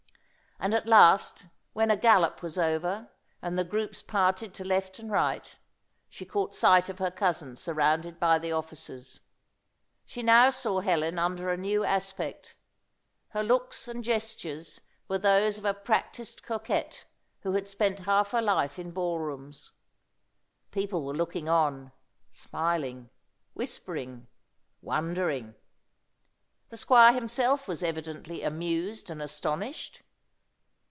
And at last, when a galop was over, and the groups parted to left and right, she caught sight of her cousin surrounded by the officers. She now saw Helen under a new aspect. Her looks and gestures were those of a practised coquette, who had spent half her life in ball rooms. People were looking on smiling, whispering, wondering. The squire himself was evidently amused and astonished.